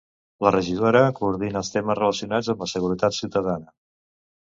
La regidora coordina els temes relacionats amb la seguretat ciutadana.